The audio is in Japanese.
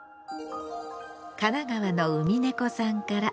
神奈川のうみねこさんから。